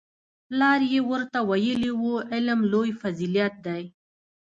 پلار یې ورته ویلي وو علم لوی فضیلت دی